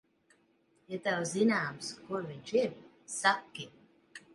Ja tev zināms, kur viņš ir, saki.